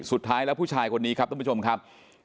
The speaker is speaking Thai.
สุดท้ายแล้วผู้ชายคนนี้ครับท่านผู้ชมครับ